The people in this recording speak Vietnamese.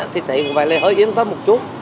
thì thấy hơi yên tâm một chút